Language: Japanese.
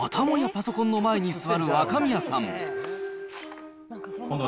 パソコンの前に座る若宮さん。